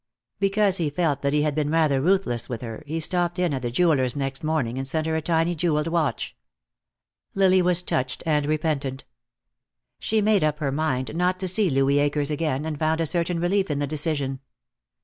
Because he felt that he had been rather ruthless with her, he stopped in at the jeweler's the next morning and sent her a tiny jeweled watch. Lily was touched and repentant. She made up her mind not to see Louis Akers again, and found a certain relief in the decision.